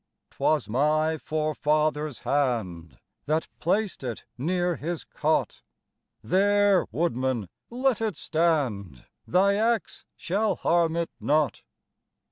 'Twas my forefather's hand That placed it near his cot; There, woodman, let it stand, Thy axe shall harm it not.